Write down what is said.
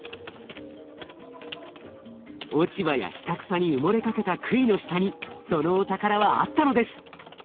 落ち葉や下草に埋もれかけたくいの下にそのお宝はあったのです！